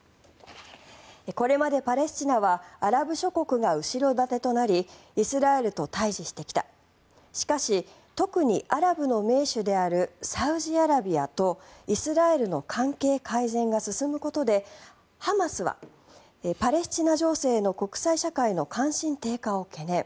これまでパレスチナはアラブ諸国が後ろ盾となりイスラエルと対峙してきたしかし、特にアラブの盟主であるサウジアラビアとイスラエルの関係改善が進むことでハマスはパレスチナ情勢への国際社会での関心低下を懸念。